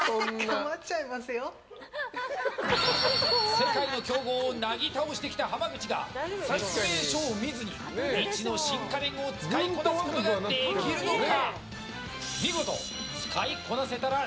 世界の強豪をなぎ倒してきた浜口が説明書を見ずに未知の新家電を使いこなすことはできるのか？